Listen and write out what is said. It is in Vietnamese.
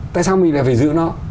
tại sao mình lại phải giữ nó